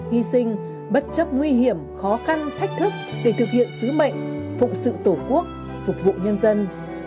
hy sinh bất chấp nguy hiểm khó khăn thách thức để thực hiện sứ mệnh phụng sự tổ quốc phục vụ nhân dân